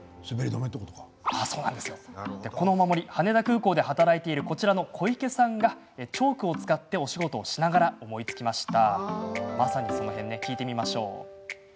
このお守りは羽田空港で働いているこちらの小池さんがチョークを使ってお仕事をしながら思いつきました。